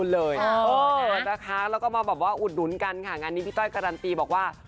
แล้วก็มาแบบว่าอุดหนุนกันค่ะงานนี้พี่ต้อยการันตีบอกว่า